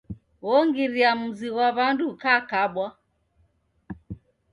Wongiria mzi ghwa W'andu ukakabwa.